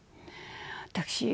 私